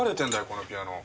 このピアノ。